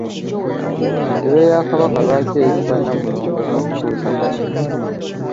Entebe ya Kabaka lwaki yayitibwa Namulondo n’okutuusa kati?